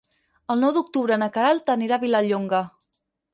El nou d'octubre na Queralt anirà a Vilallonga.